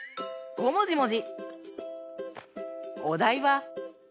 ごもじもじ！